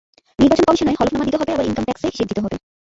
নির্বাচন কমিশনে হলফনামা দিতে হবে আবার ইনকাম ট্যাক্সে হিসাব দিতে হবে।